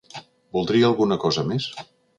Voldria alguna cosa més?